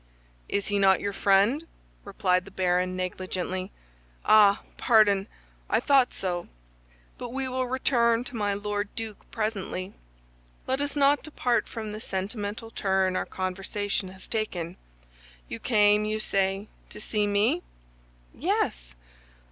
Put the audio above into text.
"Is he not your friend?" replied the baron, negligently. "Ah, pardon! I thought so; but we will return to my Lord Duke presently. Let us not depart from the sentimental turn our conversation had taken. You came, you say, to see me?" "Yes."